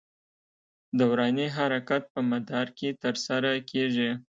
دوراني حرکت په مدار کې تر سره کېږي.